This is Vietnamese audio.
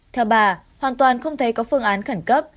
theo bà hoàn toàn không thấy có phương án khẩn cấp